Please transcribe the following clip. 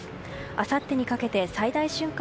あさってにかけて最大瞬間